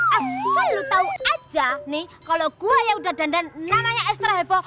asal lu tau aja nih kalo gua yang udah dandan namanya estra hepo